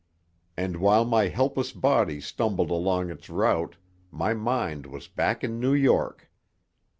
And while my helpless body stumbled along its route my mind was back in New York.